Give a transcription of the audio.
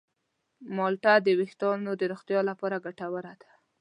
مالټه د ویښتانو د روغتیا لپاره ګټوره ده.